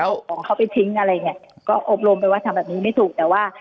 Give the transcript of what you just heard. เอาของเขาไปทิ้งอะไรอย่างเงี้ยก็อบรมไปว่าทำแบบนี้ไม่ถูกแต่ว่า